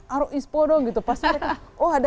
harga ispo dong gitu pasti mereka oh ada